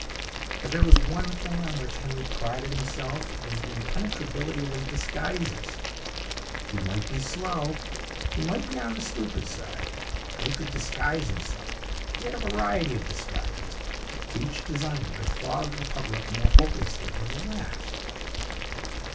If there was one thing on which Henry prided himself it was the impenetrability of his disguises. He might be slow; he might be on the stupid side; but he could disguise himself. He had a variety of disguises, each designed to befog the public more hopelessly than the last.